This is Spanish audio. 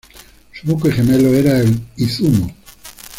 Su buque gemelo era el "Izumo".